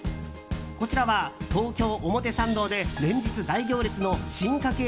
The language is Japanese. こちらは東京・表参道で連日大行列の進化形